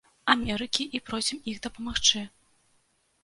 Амерыкі і просім іх дапамагчы.